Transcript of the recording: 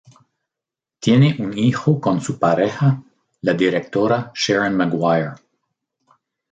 Tiene un hijo con su pareja, la directora Sharon Maguire.